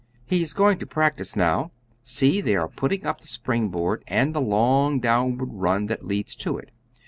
He's going to practise now; see, they are putting up the spring board and the long downward run that leads to it.